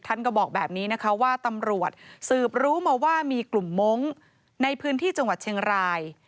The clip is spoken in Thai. ท่านก็บอกแบบนี้นะคะว่าตำรวจสืบรู้มาว่ามีกลุ่มมงค์ในพื้นที่จังหวัดเชียงราย